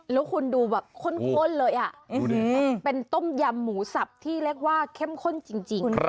แล้วคุณดูแบบข้นเลยเป็นต้มยำหมูสับที่เรียกว่าเข้มข้นจริง